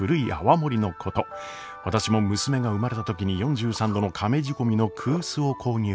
私も娘が生まれた時に４３度のかめ仕込みの古酒を購入。